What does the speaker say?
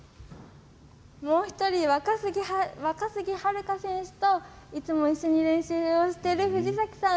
もう１人、若杉遥選手といつも一緒に練習をしている藤崎さん。